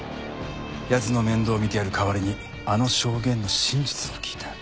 奴の面倒を見てやる代わりにあの証言の真実を聞いた。